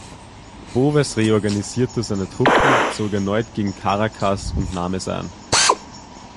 Boves reorganisierte seine Truppen, zog erneut gegen Caracas und nahm es ein.